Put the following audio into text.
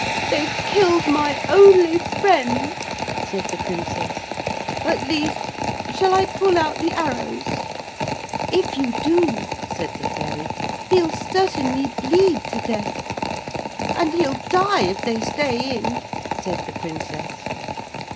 'They've killed my only friend,' said the Princess, 'at least.... Shall I pull out the arrows?' 'If you do,' said the Fairy, 'he'll certainly bleed to death.' 'And he'll die if they stay in,' said the Princess.